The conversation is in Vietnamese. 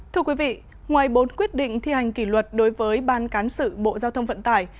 thưa quý vị ngoài bốn quyết định thi hành kỷ luật đối với ban cán sự bộ giao thông vận tải